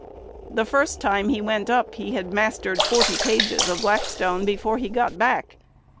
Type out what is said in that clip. The first time he went up he had "mastered" forty pages of Blackstone before he got back.